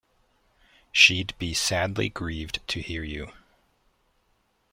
She’d be sadly grieved to hear you.